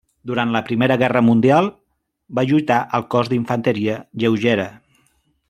Durant la Primera Guerra Mundial va lluitar al cos d'infanteria lleugera.